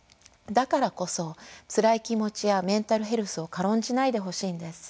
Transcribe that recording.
だからこそつらい気持ちやメンタルヘルスを軽んじないでほしいんです。